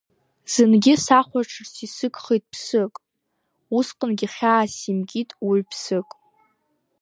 Зынгьы сахәаҽырц исыгхеит аԥсык, усҟангьы хьаас симкит уаҩԥсык.